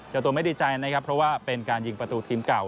เจ้าตัวไม่ดีใจนะครับเพราะว่าเป็นการยิงประตูทีมเก่า